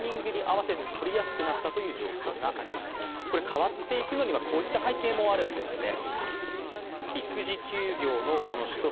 変わっていくのにはこういった背景にもあるんですね。